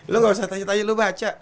lo gak usah tanya tanya lu baca